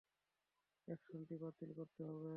অ্যাকশনটি বাতিল করতে হবে।